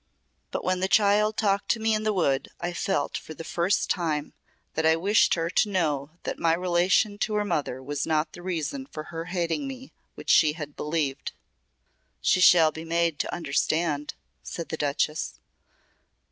But when the child talked to me in the wood I felt for the first time that I wished her to know that my relation to her mother was not the reason for her hating me which she had believed." "She shall be made to understand," said the Duchess.